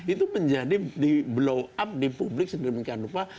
itu menjadi di blow up di publik sedemikian rupa